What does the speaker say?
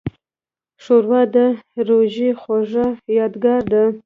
ښوروا د روژې خوږه یادګار ده.